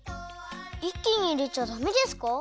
いっきにいれちゃダメですか？